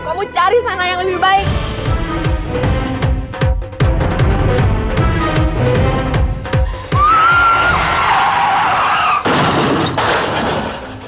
kamu cari sana yang lebih baik